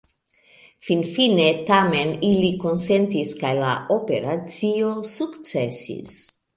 Finfine tamen ili konsentis, kaj la operacio sukcesis.